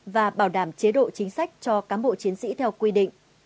và bảo đảm chế độ chính sách cho cán bộ chiến sĩ theo quy định